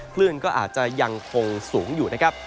คลื่นก็อาจจะยังคงสูงอยู่นะครับ